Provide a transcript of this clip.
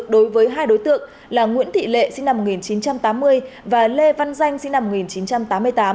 đối với hai đối tượng là nguyễn thị lệ sinh năm một nghìn chín trăm tám mươi và lê văn danh sinh năm một nghìn chín trăm tám mươi tám